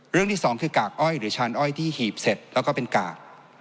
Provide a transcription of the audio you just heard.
ที่สองคือกากอ้อยหรือชานอ้อยที่หีบเสร็จแล้วก็เป็นกาก